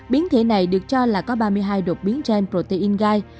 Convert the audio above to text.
biến thể này được cho là có ba mươi hai đột biến gen protein gai